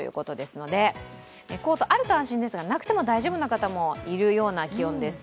夜も１４度ほどということですので、コートあると安心ですが、なくても大丈夫な方もいるような気温です。